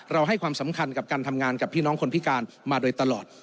ให้ความสำคัญกับการทำงานกับพี่น้องคนพิการมาโดยตลอด